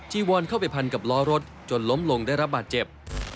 วอนเข้าไปพันกับล้อรถจนล้มลงได้รับบาดเจ็บ